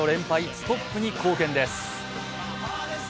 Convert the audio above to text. ストップに貢献です。